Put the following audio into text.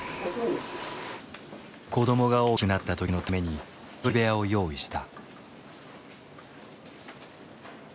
子どもが大きくなった時のために一人部屋を用意した。